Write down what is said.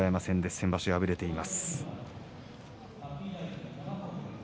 先場所、敗れています。